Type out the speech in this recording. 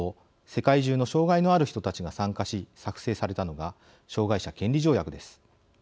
世界中の障害のある人たちが参加し作成されたのが障害者権利条約です。